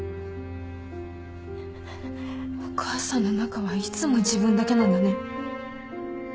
お母さんの中はいつも自分だけなんだね。